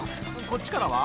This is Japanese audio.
こっちからは？